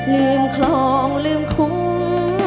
ลืมคลองลืมคุ้ม